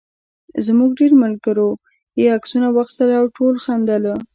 زموږ ډېرو ملګرو یې عکسونه واخیستل او ټولو خندل.